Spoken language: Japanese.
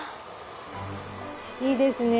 いいですね